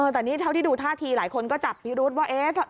แต่นี่เท่าที่ดูท่าทีหลายคนก็จับพิรุษว่า